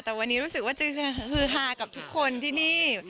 แต่วันนี้รู้สึกว่าจะฮือฮากับทุกคนที่นี่